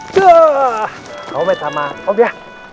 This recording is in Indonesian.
tuh kamu main sama opnya